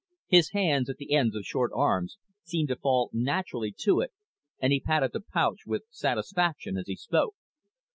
His hands, at the ends of short arms, seemed to fall naturally to it, and he patted the paunch with satisfaction as he spoke.